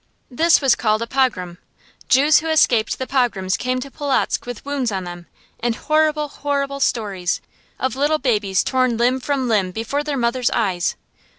This was called a "pogrom." Jews who escaped the pogroms came to Polotzk with wounds on them, and horrible, horrible stories, of little babies torn limb from limb before their mothers' eyes.